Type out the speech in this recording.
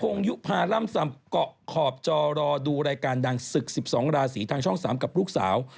ยุภาร่ำซำเกาะขอบจอรอดูรายการดังศึก๑๒ราศีทางช่อง๓กับลูกสาว